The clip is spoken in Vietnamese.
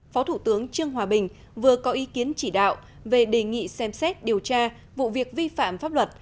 phó thủ tướng trương hòa bình vừa có ý kiến chỉ đạo về đề nghị xem xét điều tra vụ việc vi phạm pháp luật